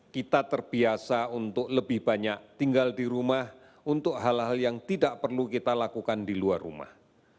kita terbiasa untuk lebih banyak tinggal di rumah untuk hal hal yang tidak perlu kita lakukan di luar rumah